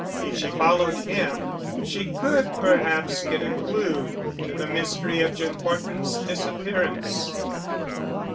If she followed him, she could perhaps get a clue to the mystery of Jim Horton's disappearance.